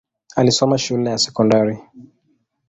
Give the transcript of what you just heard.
Alisoma shule ya sekondari.